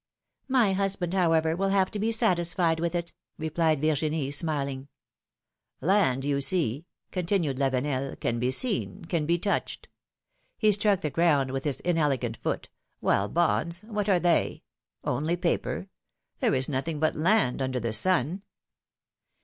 My husband, however, will have to be satisfied with it," replied Virginie, smiling. Land, you see," continued Lavenel, can be seen, can be touched" — he struck the ground with his inelegant foot — while bonds, what are they ? Only paper ! There is nothing but land under the sun